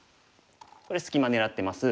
これ隙間狙ってます。